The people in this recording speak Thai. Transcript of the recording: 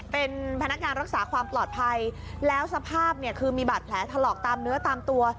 เป็นพนักงานรักษาความปลอดภัยแล้วสภาพเนี่ยคือมีบาดแผลถลอกตามเนื้อตามตัว